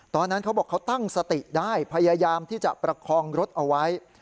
เขาบอกเขาตั้งสติได้พยายามที่จะประคองรถเอาไว้